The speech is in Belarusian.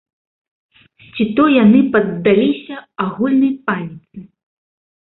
Ці то яны паддаліся агульнай паніцы?